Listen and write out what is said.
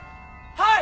はい！